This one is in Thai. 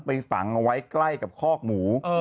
ไปฝังไว้ใกล้กับคอกหมู